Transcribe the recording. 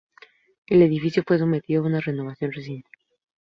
El edificio fue sometido a una renovación reciente.